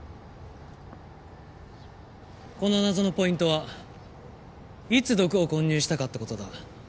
この謎のポイントはいつ毒を混入したかって事だ。